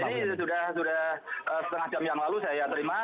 ini sudah setengah jam yang lalu saya terima